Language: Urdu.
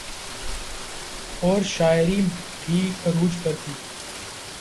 اورشاعری بھی عروج پہ تھی۔